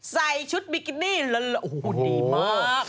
ใส่ชุดบิกินี่แล้วโอ้โหดีมาก